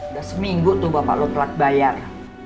udah seminggu tuh bapak lo telat bayar